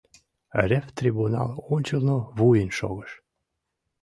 Ревтрибунал ончылно вуйын шогыш.